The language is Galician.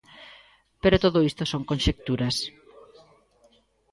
Pero todo isto son conxecturas.